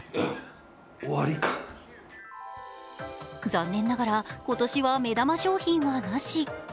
残念ながら今年は目玉商品はなし。